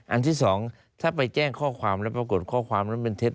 อันที่สองถ้าไปแจ้งข้อความแล้วปรากฏข้อความนั้นเป็นเท็จ